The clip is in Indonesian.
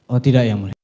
oh tidak ya mulia